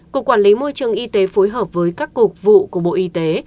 cục quản lý môi trường y tế phối hợp với các cục vụ của bộ y tế